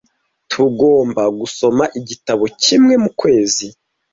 Tugomba gusoma igitabo kimwe mukwezi